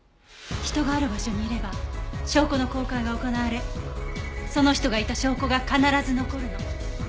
人がある場所にいれば証拠の交換が行われその人がいた証拠が必ず残るの。